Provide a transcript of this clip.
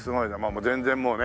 もう全然もうね